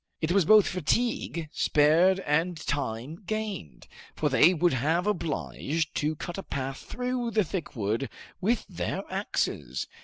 It was both fatigue spared and time gained, for they would have been obliged to cut a path through the thick wood with their axes.